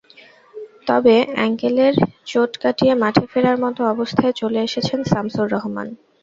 তবে অ্যাঙ্কেলের চোট কাটিয়ে মাঠে ফেরার মতো অবস্থায় চলে এসেছেন শামসুর রহমান।